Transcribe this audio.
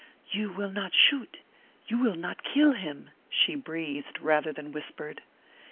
"You will not shoot? You will not kill him?" she breathed rather than whispered.